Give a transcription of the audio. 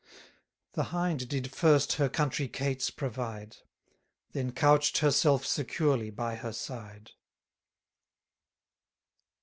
720 The Hind did first her country cates provide; Then couch'd herself securely by her side.